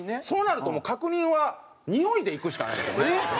そうなるともう確認はにおいでいくしかないですよね。